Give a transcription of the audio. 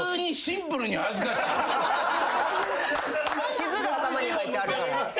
地図が頭に入ってはるから。